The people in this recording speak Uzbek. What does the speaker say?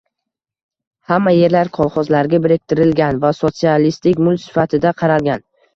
Hamma yerlar kolxozlarga biriktirilgan va sotsialistik mulk sifatida qaralgan.